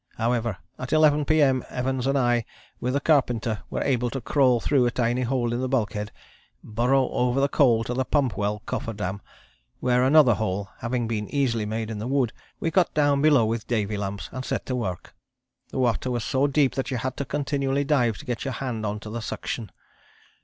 However, at 11 P.M. Evans and I with the carpenter were able to crawl through a tiny hole in the bulkhead, burrow over the coal to the pump well cofferdam, where, another hole having been easily made in the wood, we got down below with Davy lamps and set to work. The water was so deep that you had to continually dive to get your hand on to the suction.